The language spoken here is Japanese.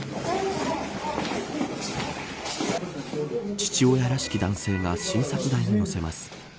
父親らしき男性が診察台に乗せます。